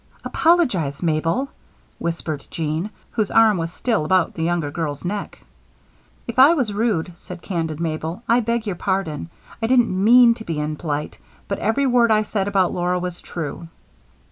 "Apologize, Mabel," whispered Jean, whose arm was still about the younger girl's neck. "If I was rude," said candid Mabel, "I beg your pardon. I didn't mean to be impolite, but every word I said about Laura was true."